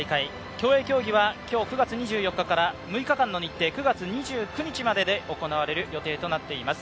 競泳競技は今日９月２４日から６日間の日程、９月２９日までで行われる予定となっています。